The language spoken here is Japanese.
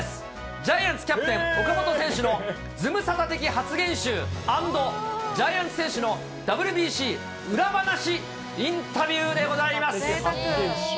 ジャイアンツキャプテン、岡本選手のズムサタ的発言集＆ジャイアンツ選手のＷＢＣ裏話インタビューでございます。